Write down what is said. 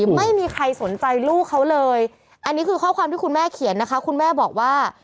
ไม่มีใครสนใจลูกเขาเลยอันนี้คือข้อความที่คุณแม่เขียนนะคะคุณแม่บอกว่า